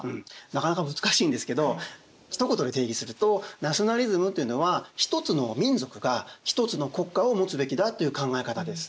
なかなか難しいんですけどひと言で定義するとナショナリズムというのは一つの民族が一つの国家を持つべきだという考え方です。